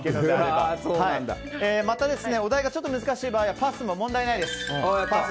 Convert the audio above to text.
また、お題が難しい場合はパスしても問題ないです。